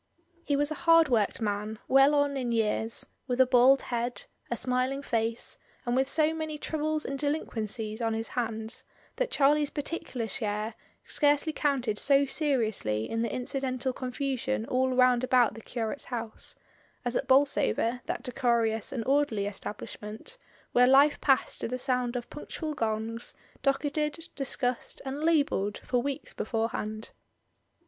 He was a hard worked man, well on in years, with a bald head, a smiling face, and with so many troubles and delinquencies on his hands that Charlie's particular share scarcely counted so seriously in the incidental confusion all round about the curate's house, as at Bolsover, that decorous and orderly establishment, where life passed to the sound of punctual gongs, docketed, discussed, and labelled for weeks beforehand.